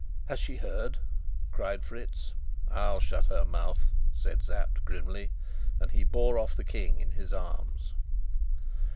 "Has she heard?" cried Fritz. "I'll shut her mouth!" said Sapt grimly, and he bore off the King in his arms.